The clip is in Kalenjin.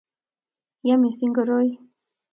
ya mising koroi